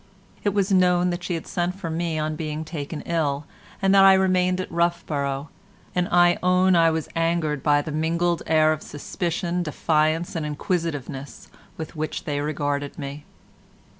It was known that she had sent for me on being taken ill, and that I remained at Roughborough, and I own I was angered by the mingled air of suspicion, defiance and inquisitiveness, with which they regarded me.